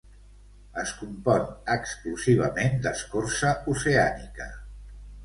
Es compon exclusivament d'escorça oceànica.